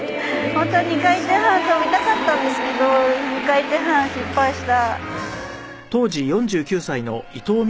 本当は２回転半跳びたかったんですけど２回転半失敗した。